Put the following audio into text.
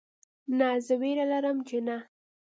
نه زه ویره لرم چې نه